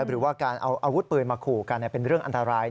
หรือว่าการเอาอาวุธปืนมาขู่กันเป็นเรื่องอันตราย